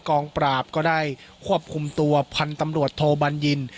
กองปราบก็ได้ควบคุมตัวพันธุ์ตำรวจโทบัญญิน